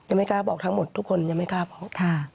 ไม่กล้าบอกทั้งหมดทุกคนยังไม่กล้าบอก